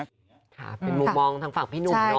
เป็นมุมมองทางฝั่งพี่หนุก